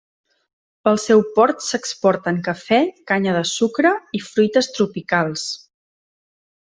Pel seu port s'exporten cafè, canya de sucre i fruites tropicals.